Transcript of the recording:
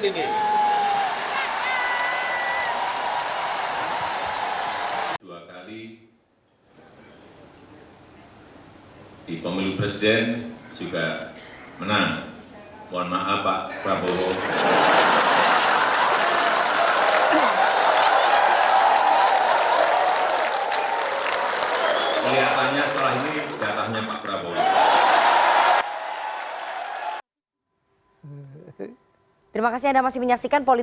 ini mikir rakyat ini